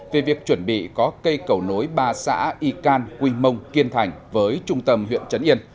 về việc chuẩn bị có cây cầu nối ba xã y can quy mông kiên thành với trung tâm huyện trấn yên